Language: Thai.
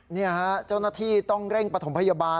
นี่ฮะเจ้าหน้าที่ต้องเร่งปฐมพยาบาล